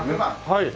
はい。